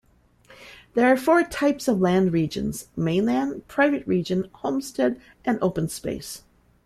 There are four types of land regions; mainland, private region, homestead, and openspace.